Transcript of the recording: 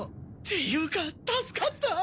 ていうか助かった。